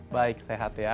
baik sehat ya